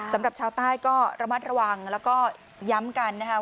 สำหรับชาวใต้ก็ระมัดระวังแล้วก็ย้ำกันนะครับ